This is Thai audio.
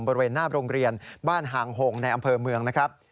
บริเวณหน้าโรงเรียนบ้านห่างหงในอำเภอเมืองนะครับ